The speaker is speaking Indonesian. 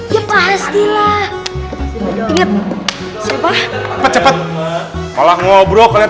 ya pastilah inget siapa cepet cepet malah ngobrol